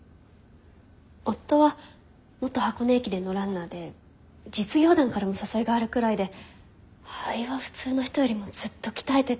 夫は元箱根駅伝のランナーで実業団からも誘いがあるくらいで肺は普通の人よりもずっと鍛えてて。